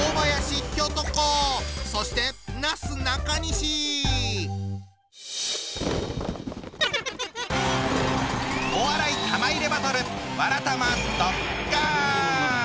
そしてお笑い玉入れバトル